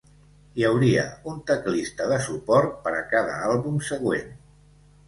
Hi hauria un teclista de suport per a cada àlbum següent.